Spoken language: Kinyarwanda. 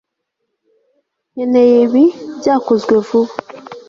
nkeneye ibi byakozwe vuba